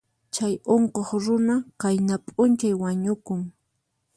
Chay unquq runa qayna p'unchay wañukun.